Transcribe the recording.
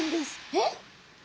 えっ？